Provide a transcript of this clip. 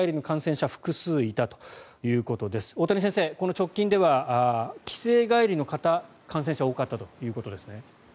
直近では帰省帰りの方感染者が多かったということですね。